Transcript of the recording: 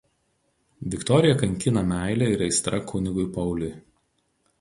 Viktoriją kankina meilė ir aistra kunigui Pauliui.